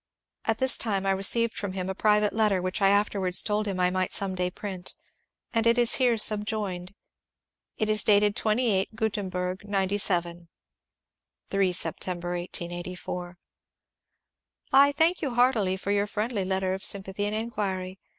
At this time I received from him a private letter which I afterwards told him I might some day print, and it is here subjoined: it is dated 23 Gutemberg 97 (3 Sept. 1884) :— I thank you heartily for your friendly letter of sympathy and inquiry.